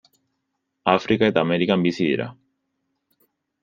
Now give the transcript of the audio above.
Afrika eta Amerikan bizi dira.